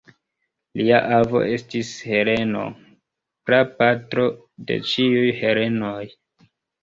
Lia avo estis Heleno, prapatro de ĉiuj helenoj.